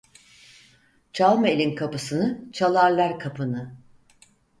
Çalma elin kapısını, çalarlar kapını.